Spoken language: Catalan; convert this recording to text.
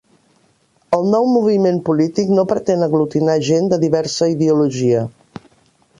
El nou moviment polític no pretén aglutinar gent de diversa ideologia